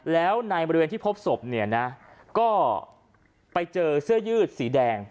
แล้วในบริเวณที่พบศพเนี่ยนะก็ไปเจอเสื้อยืดสีแดง